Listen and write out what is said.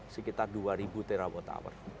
dua ribu enam puluh sekitar dua ribu terawatt hour